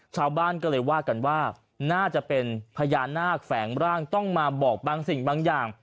ชาวบ้านก็เลยว่ากันว่าน่าจะเป็นพญานาคแฝงร่างต้องมาบอกบางสิ่งบางอย่าง